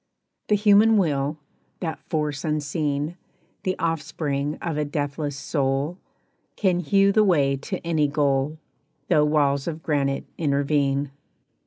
The human Will, that force unseen, The offspring of a deathless Soul, Can hew the way to any goal, Though walls of granite intervene.